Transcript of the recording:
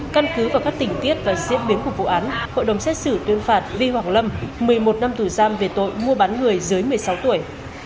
căn cứ vào các tình tiết và diễn biến của vụ án hội đồng xét xử tuyên phạt vi hoàng lâm một mươi một năm tù giam về tội mua bán người dưới một mươi sáu tuổi